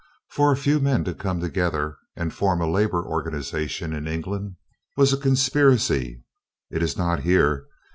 For a few men to come together and form a labor organization in England was a conspiracy. It is not here.